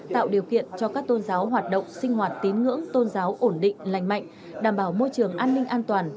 tạo điều kiện cho các tôn giáo hoạt động sinh hoạt tín ngưỡng tôn giáo ổn định lành mạnh đảm bảo môi trường an ninh an toàn